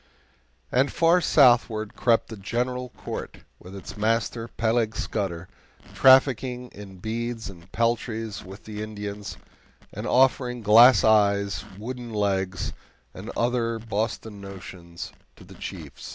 And far southward crept the GENERAL COURT with its master, Peleg Scudder, trafficking in beads and peltries with the Indians, and offering glass eyes, wooden legs, and other Boston notions to the chiefs.